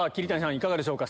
いかがでしょうか？